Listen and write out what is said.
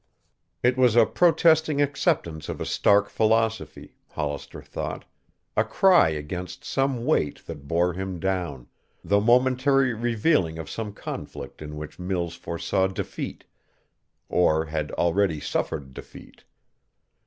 It was a protesting acceptance of a stark philosophy, Hollister thought, a cry against some weight that bore him down, the momentary revealing of some conflict in which Mills foresaw defeat, or had already suffered defeat.